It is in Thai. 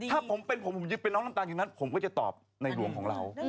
ถ้าผมเป็นผมผมยึดเป็นน้องน้ำตาลอยู่นั้นผมก็จะตอบในหลวงของเรา